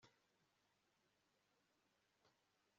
basimbuka nk'utwana tw'intama